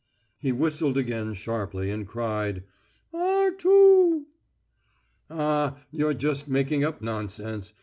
He whistled again sharply, and cried: "Arto o o!" "Ah, you're just making up nonsense!